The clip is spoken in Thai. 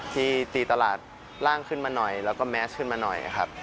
ที่ตีตลาดร่างขึ้นมาหน่อยแล้วก็แมสขึ้นมาหน่อยครับ